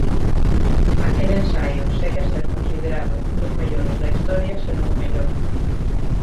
Aquel ensaio segue a ser considerado un dos mellores da historia senón o mellor.